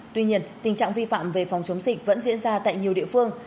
tuy nhiên tình trạng vi phạm về phòng chống dịch vẫn diễn ra tại nhiều địa phương